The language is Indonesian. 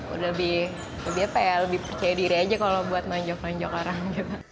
udah lebih percaya diri aja kalau buat nonjok nonjok orang